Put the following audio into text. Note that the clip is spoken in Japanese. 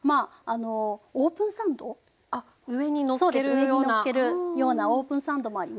上にのっけるようなオープンサンドもあります。